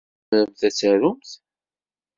Tzemremt ad tarumt?